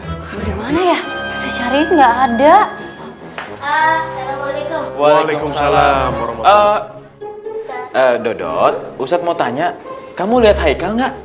gimana ya saya cari enggak ada waalaikumsalam eh dodot ustadz mau tanya kamu lihat haikal nggak